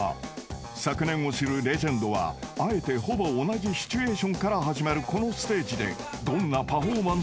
［昨年を知るレジェンドはあえてほぼ同じシチュエーションから始まるこのステージでどんなパフォーマンスを見せるのか？］